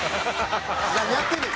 何やってんねん？